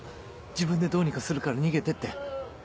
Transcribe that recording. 自分でどうにかするから逃げてって。